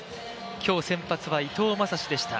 今日、先発は伊藤将司でした。